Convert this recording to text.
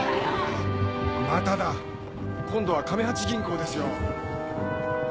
まただ今度は亀八銀行ですよ。